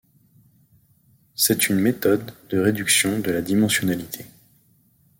C'est une méthode de réduction de la dimensionnalité.